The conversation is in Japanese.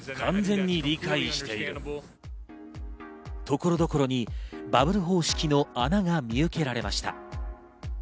所々にバブル方式の穴が見受けられました。